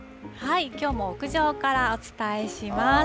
きょうも屋上からお伝えします。